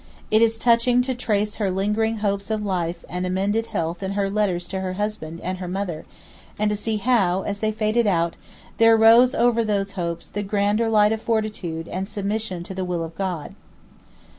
It is touching to trace her lingering hopes of life and amended health in her letters to her husband and her mother, and to see how, as they faded out, there rose over those hopes the grander light of fortitude and submission to the will of God.